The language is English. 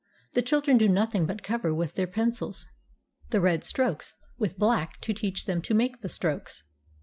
The children do nothing but cover with their pencils the red strokes with black to teach them to make the strokes.